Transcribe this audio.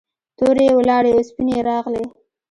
تورې یې ولاړې او سپینې یې راغلې.